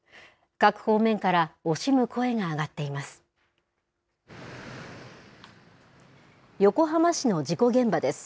各方面から惜しむ声が上がっています。